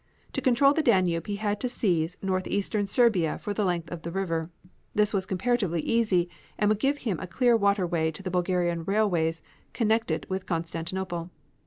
To control the Danube he had to seize northeastern Serbia for the length of the river. This was comparatively easy and would give him a clear water way to the Bulgarian railways connected with Constantinople.